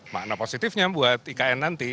makna positifnya buat ikn nanti